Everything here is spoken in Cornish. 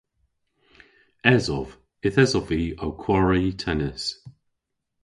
Esov. Yth esov vy ow kwari tennis.